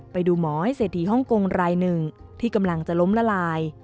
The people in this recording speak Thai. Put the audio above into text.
ไปดูหมอให้เศรษฐีฮ่องกงรายหนึ่งที่กำลังจะล้มละลาย